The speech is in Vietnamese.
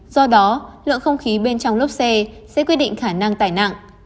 do đó lượng không khí bên trong lốp xe sẽ quyết định khả năng tải nặng